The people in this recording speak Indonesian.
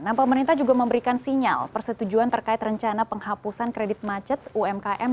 nah pemerintah juga memberikan sinyal persetujuan terkait rencana penghapusan kredit macet umkm